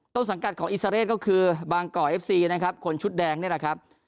ต้นสังกัดของอิสราเรศก็คือบางก่อเอฟซีนะครับคนชุดแดงนี่แหละครับ